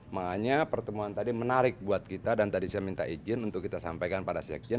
makanya pertemuan tadi menarik buat kita dan tadi saya minta izin untuk kita sampaikan pada sekjen